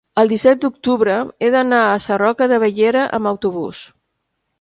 el disset d'octubre he d'anar a Sarroca de Bellera amb autobús.